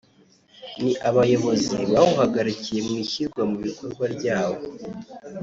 ni Abayobozi bawuhagarikiye mu ishyirwa mu bikorwa ryawo